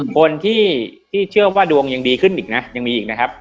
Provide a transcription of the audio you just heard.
คนที่เชื่อว่าดวงยังดีขึ้นอีกนะยังมีอีกนะครับ